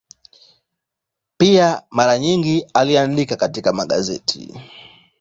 Pia mara nyingi aliandika katika magazeti.